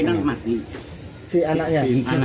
ternyata tersangka berusaha melarikan diri